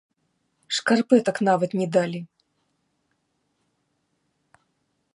Шкарпэтак нават не далі.